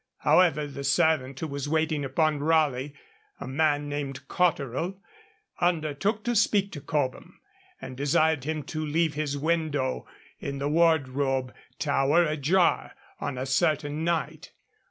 However, the servant who was waiting upon Raleigh, a man named Cotterell, undertook to speak to Cobham, and desired him to leave his window in the Wardrobe Tower ajar on a certain night.